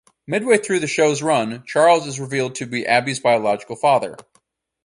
Midway through the show's run, Charles is revealed to be Abby's biological father.